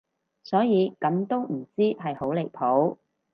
所以咁都唔知係好離譜